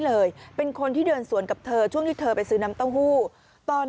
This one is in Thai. เลยเป็นคนที่เดินสวนกับเธอช่วงที่เธอไปซื้อน้ำเต้าหู้ตอน